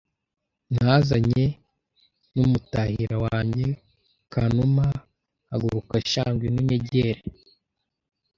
Nazanye n’umutahira wange Kanuma haguruka sha! Ngwino unyegere